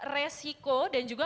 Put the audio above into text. risiko dan juga